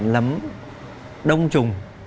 lấm đông trùng